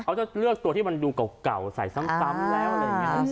เขาจะเลือกตัวที่มันดูเก่าใส่ซ้ำแล้วอะไรอย่างนี้